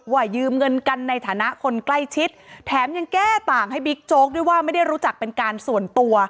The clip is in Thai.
ยืมเงินกันในฐานะคนใกล้ชิดแถมยังแก้ต่างให้บิ๊กโจ๊กด้วยว่าไม่ได้รู้จักเป็นการส่วนตัว